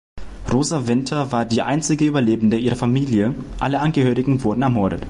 Rosa Winter war die einzige Überlebende ihrer Familie, alle Angehörigen wurden ermordet.